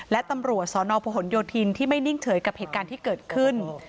และตำรวจสนพหนโยธินที่ไม่นิ่งเฉยกับเหตุการณ์ที่เกิดขึ้น